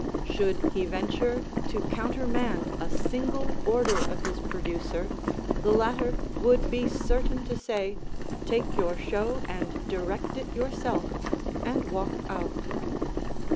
Should he venture to countermand a single order of his producer, the latter would be certain to say "Take your show and direct it yourself," and walk out.